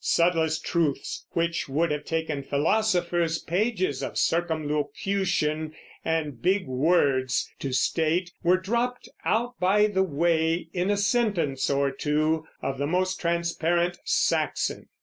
Subtlest truths, which would have taken philosophers pages of circumlocution and big words to state, were dropped out by the way in a sentence or two of the most transparent Saxon."